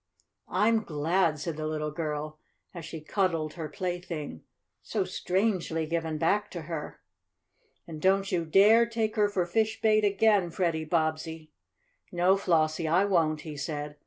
"I'm glad," said the little girl, as she cuddled her plaything, so strangely given back to her. "And don't you dare take her for fish bait again, Freddie Bobbsey." "No, Flossie, I won't," he said.